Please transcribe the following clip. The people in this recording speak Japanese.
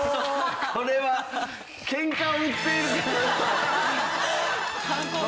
これはケンカを売っているかのよう。